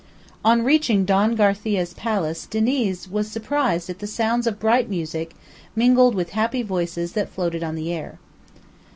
On reaching Don Garcia's palace Diniz was surprised at the sounds of bright music, mingled with happy voices, that floated on the air.